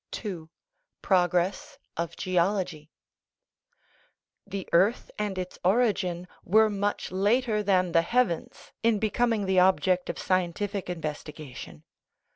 II. PROGRESS OF GEOLOGY The earth and its origin were much later than the heavens in becoming the object of scientific investiga tion.